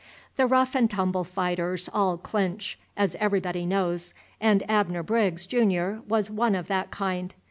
The rough and tumble fighters all clinch, as everybody knows; and Abner Briggs, Junior, was one of that kind.